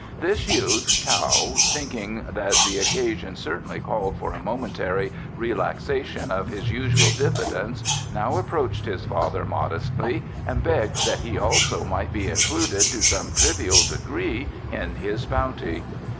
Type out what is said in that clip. This youth, Kao, thinking that the occasion certainly called for a momentary relaxation of his usual diffidence, now approached his father modestly, and begged that he also might be included to some trivial degree in his bounty.